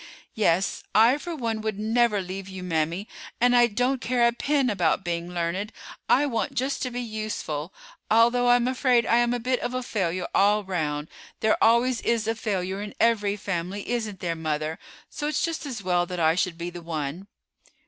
"Yes; I for one would never leave you, mammy; and I don't care a pin about being learned. I want just to be useful, although I am afraid I am a bit of a failure all round. There always is a failure in every family, isn't there, mother; so it's just as well that I should be the one."